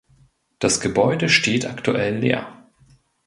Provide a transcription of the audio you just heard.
Das Gebäude steht aktuell leer.